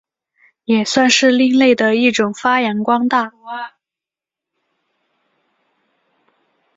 也算是另类的一种发扬光大。